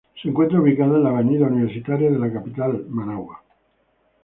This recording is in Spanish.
Se encuentra ubicada en la Avenida Universitaria, de la capital Managua.